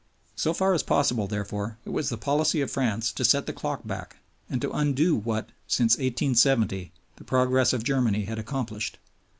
So far as possible, therefore, it was the policy of France to set the clock back and to undo what, since 1870, the progress of Germany had accomplished.